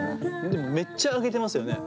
でもめっちゃ上げてますよね。